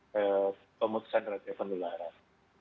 pemutusan rantai penularan